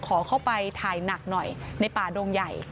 ขอเข้าไปถ่ายหนักหน่อยในป่าดงใหญ่